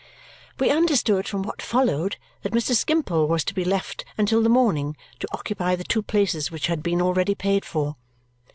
We understood from what followed that Mr. Skimpole was to be left until the morning to occupy the two places which had been already paid for.